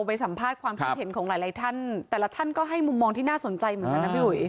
ไปสัมภาษณ์ความคิดเห็นของหลายหลายท่านแต่ละท่านก็ให้มุมมองที่น่าสนใจเหมือนกันนะพี่อุ๋ย